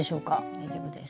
大丈夫です。